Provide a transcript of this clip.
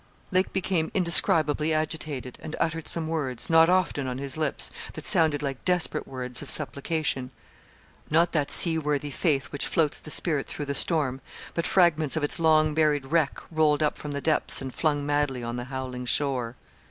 Lake became indescribably agitated, and uttered some words, not often on his lips, that sounded like desperate words of supplication. Not that seaworthy faith which floats the spirit through the storm, but fragments of its long buried wreck rolled up from the depths and flung madly on the howling shore.